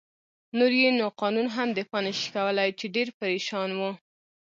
نور يې نو قانون هم دفاع نه شي کولای، چې ډېر پرېشان و.